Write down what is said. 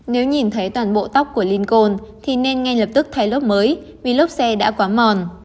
nếu nhìn thấy toàn bộ tóc của linkol thì nên ngay lập tức thay lớp mới vì lốp xe đã quá mòn